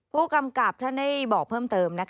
ผู้กำกับท่านได้บอกเพิ่มเติม